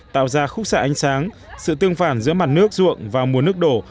tạo ra khúc sạ ánh sáng sự tương phản giữa mặt nước ruộng và mùa nước đổ